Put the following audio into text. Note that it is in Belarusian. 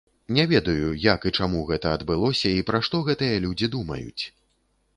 Не ведаю, як і чаму гэта адбылося і пра што гэтыя людзі думаюць.